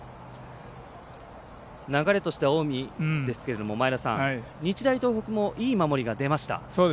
流れとしては近江ですけれども日大東北もいい守りが出ました。